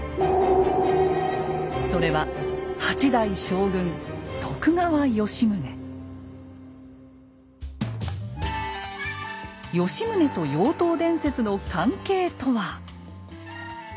それは吉宗と妖刀伝説の関係とは？